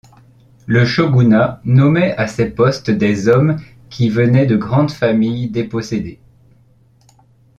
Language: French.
Le shogunat nommait à ces postes des hommes qui venaient de grandes familles dépossédées.